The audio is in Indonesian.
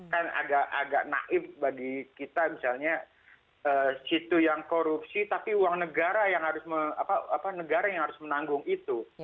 kan agak naib bagi kita misalnya situ yang korupsi tapi uang negara yang harus menanggung itu